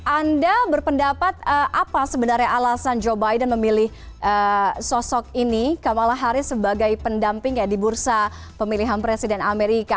anda berpendapat apa sebenarnya alasan joe biden memilih sosok ini kamala harris sebagai pendamping ya di bursa pemilihan presiden amerika